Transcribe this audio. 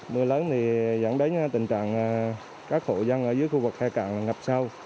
mưa lớn thì dẫn đến tình trạng các hộ dân ở dưới khu vực khe cạn ngập sâu